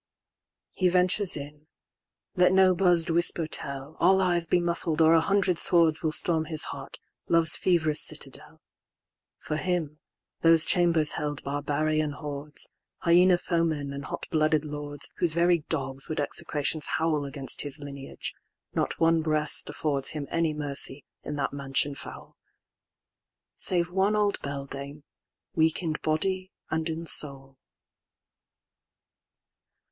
X.He ventures in: let no buzz'd whisper tell:All eyes be muffled, or a hundred swordsWill storm his heart, Love's fev'rous citadel:For him, those chambers held barbarian hordes, Hyena foemen, and hot blooded lords, Whose very dogs would execrations howlAgainst his lineage: not one breast affordsHim any mercy, in that mansion foul, Save one old beldame, weak in body and in soul.